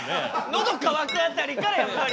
「ノドかわく」辺りからやっぱり。